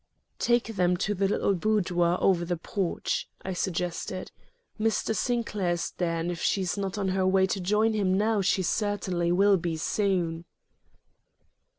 "Take them to the little boudoir over the porch," I suggested. "Mr. Sinclair is there and if she is not on her way to join him now she certainly will be soon."